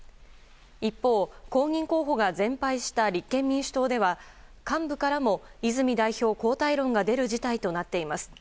一方、公認候補が全敗した立憲民主党では幹部からも泉代表交代論が出る事態となっています。